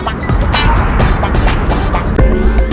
ไซซ์สิ่งนี่ไซซ์ไซซ์สิ่งเดี๋ยวชิบ